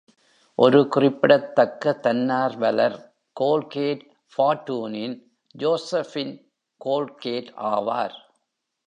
ஒரு குறிப்பிடத்தக்க தன்னார்வலர் கோல்கேட் ஃபார்ட்டூனின் ஜோசஃபின் கோல்கேட் ஆவார்.